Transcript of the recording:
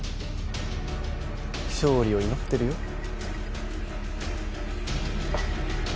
勝利を祈ってるよ。